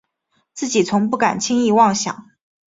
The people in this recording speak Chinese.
自己从不敢轻易妄想